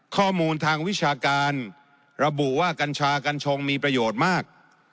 ข้อมูลทางวิชาการระบุว่ากัญชากัญชงมีประโยชน์มาก